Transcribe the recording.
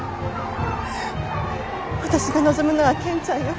私が望むのは健ちゃんよ。